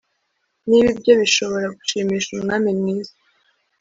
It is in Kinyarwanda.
niba ibyo bishobora gushimisha umwami mwiza